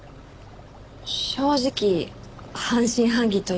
正直半信半疑というか。